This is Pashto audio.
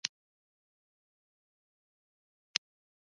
ایا مصنوعي ځیرکتیا د ټولنیز عدالت تضمین نه کوي؟